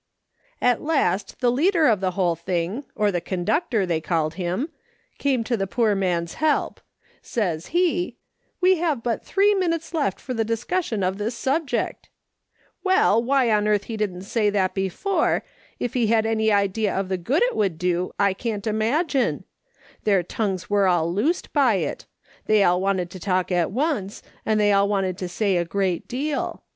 At last the leader of the whole thing, or the con SHE HAS TRIALS AND COMPENSATIONS. 29 ductor, they called him, came to the poor man's help. Says he :' We have but three minutes left for the discussion of this subject.' Well, why on earth he didn't say that before, if he had any idea of the good it would do, I can't imagine. Their tongues were all loosed by it. They all wanted to talk at once, and they all wanted to say a great deal.